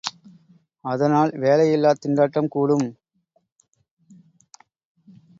அதனால், வேலையில்லாத் திண்டாட்டம் கூடும்!